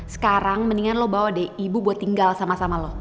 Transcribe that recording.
sekarang mendingan lo bawa deh ibu buat tinggal sama sama lo